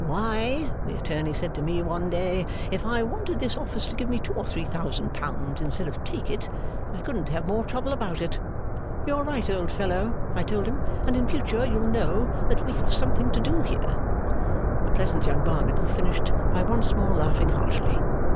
"Why," the attorney said to me one day, "if I wanted this office to give me two or three thousand pounds instead of take it, I couldn't have more trouble about it." "You are right, old fellow," I told him, "and in future you'll know that we have something to do here."' The pleasant young Barnacle finished by once more laughing heartily.